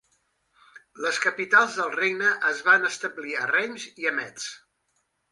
Les capitals del regne es van establir a Reims i a Metz.